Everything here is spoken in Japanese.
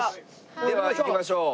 では行きましょう。